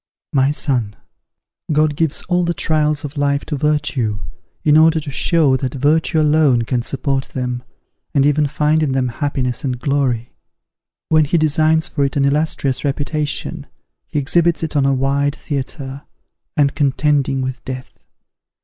"My son! God gives all the trials of life to virtue, in order to show that virtue alone can support them, and even find in them happiness and glory. When he designs for it an illustrious reputation, he exhibits it on a wide theatre, and contending with death.